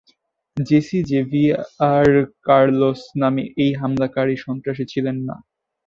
JC Javier Carlos নামে ওই হামলাকারী সন্ত্রাসী ছিলেন না।